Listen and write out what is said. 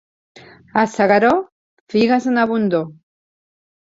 A S'Agaró, figues en abundor.